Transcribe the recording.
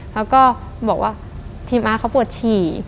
แล้วก็บอกว่าทีมอาร์ตเขาปวดฉี่